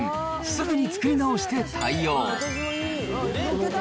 すぐに作り直して対応。